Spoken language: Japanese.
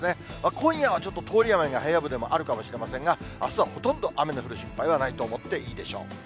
今夜はちょっと通り雨が平野部でもあるかもしれませんが、あすはほとんど雨の降る心配はないと思っていいでしょう。